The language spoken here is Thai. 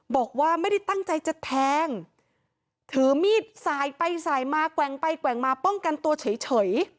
บอกว่าไม่ได้ตั้งใจจะแทงถือมีดสายไปสายมาแกว่งไปแกว่งมาป้องกันตัวเฉย